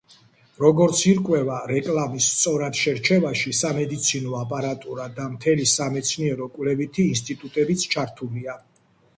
როგორც ირკვევა, რეკლამის სწორად შერჩევაში სამედიცინო აპარატურა და მთელი სამეცნიერო-კვლევითი ინსტიტუტებიც ჩართულია.